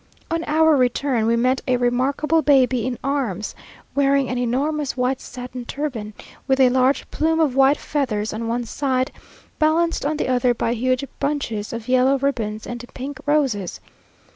On our return we met a remarkable baby in arms, wearing an enormous white satin turban, with a large plume of white feathers on one side, balanced on the other by huge bunches of yellow ribbons and pink roses.